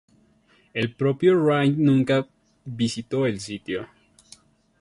El propio Wright nunca visitó el sitio.